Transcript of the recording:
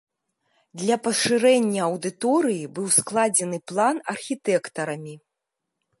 Для пашырэння аўдыторыі быў складзены план архітэктарамі.